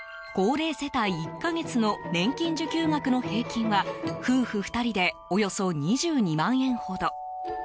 高齢世帯１か月の年金受給額の平均は夫婦２人でおよそ２２万円ほど。